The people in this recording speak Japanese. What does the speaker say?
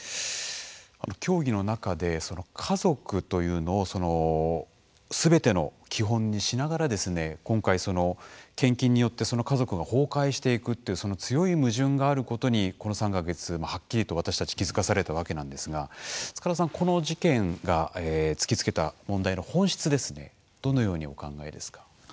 教義の中で家族というのをすべての基本にしながら今回、献金によってその家族が崩壊していくっていう強い矛盾があることにこの３か月はっきりと私たち気付かされたわけなんですが塚田さん、この事件が突きつけた問題の本質ですねどのようにお考えですか。